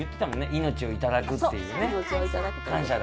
命をいただくって。感謝。